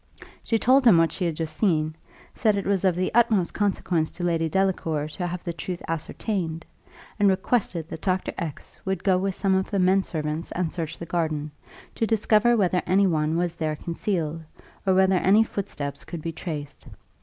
She told him what she had just seen, said it was of the utmost consequence to Lady Delacour to have the truth ascertained, and requested that Dr. X would go with some of the men servants and search the garden, to discover whether any one was there concealed, or whether any footsteps could be traced.